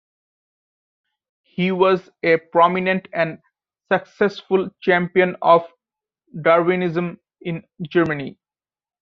He was a prominent and successful champion of Darwinism in Germany.